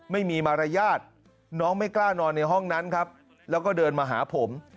ไม่มีมารยาทน้องไม่กล้านอนในห้องนั้นครับแล้วก็เดินมาหาผม